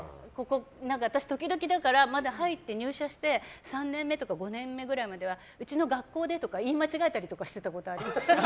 私、時々入社して３年目とか５年目ぐらいまではうちの学校でとか言い間違えたりしていたこともありました。